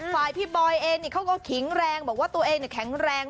ฝ่ายพี่บอยเองเขาก็แข็งแรงบอกว่าตัวเองแข็งแรง